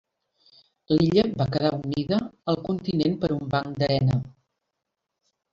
L'illa va quedar unida al continent per un banc d'arena.